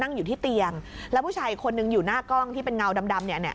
นั่งอยู่ที่เตียงแล้วผู้ชายคนหนึ่งอยู่หน้ากล้องที่เป็นเงาดำเนี่ยเนี่ย